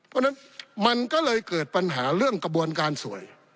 เพราะฉะนั้นมันก็เลยเกิดปัญหาเรื่องกระบวนการสวย